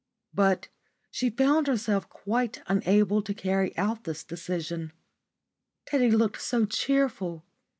But she found herself quite unable to carry out this decision. Teddy looked so cheerful.